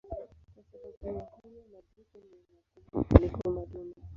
Kwa sababu ya hiyo majike ni wakubwa kuliko madume.